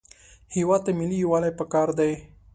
هېواد ته ملي یووالی پکار دی